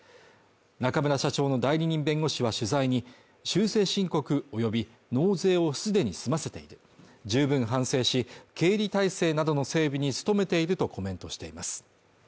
中村社長の代理人弁護士は取材に修正申告および納税を既に済ませている十分反省し、経理体制などの整備に努めているとコメントしています。